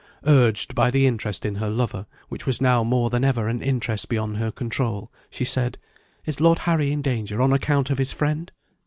Urged by the interest in her lover, which was now more than ever an interest beyond her control, she said: "Is Lord Harry in danger, on account of his friend?"